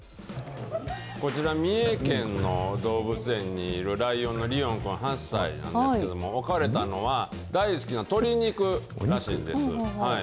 こちら、三重県の動物園にいるライオンのリオンくん８歳なんですけれども、置かれたのは、大好きな鶏肉らしいんです。